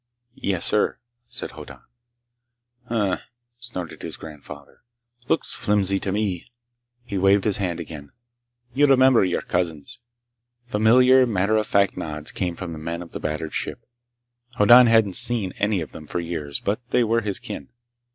"Yes, sir," said Hoddan. "Hm m m," snorted his grandfather. "Looks flimsy to me!" He waved his hand again. "You remember your cousins." Familiar, matter of fact nods came from the men of the battered ship. Hoddan hadn't seen any of them for years, but they were his kin.